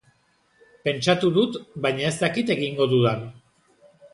Pentsatu dut, baina ez dakit egingo dudan.